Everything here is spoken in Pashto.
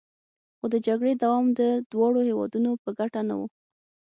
خو د جګړې دوام د دواړو هیوادونو په ګټه نه و